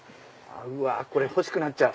うわこれ欲しくなっちゃう。